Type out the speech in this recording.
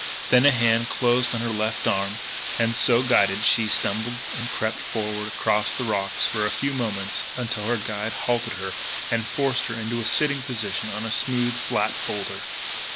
Then a hand closed on her left arm and, so guided, she stumbled and crept forward across the rocks for a few moments until her guide halted her and forced her into a sitting position on a smooth, flat boulder.